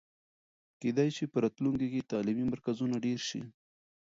کېدای سي په راتلونکي کې تعلیمي مرکزونه ډېر سي.